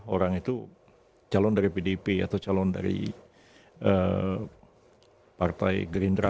orang itu calon dari pdp atau calon dari partai gerindra